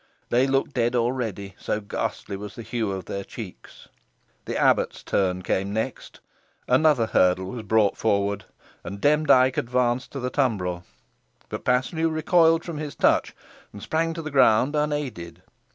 They looked dead already, so ghastly was the hue of their cheeks. The abbot's turn came next. Another hurdle was brought forward, and Demdike advanced to the tumbrel. But Paslew recoiled from his touch, and sprang to the ground unaided.